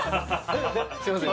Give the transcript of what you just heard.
すいません